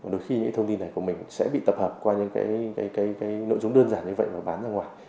đôi khi những thông tin này của mình sẽ bị tập hợp qua những cái nội dung đơn giản như vậy mà bán ra ngoài